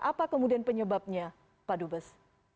apa kemudian penyebabnya pak dubes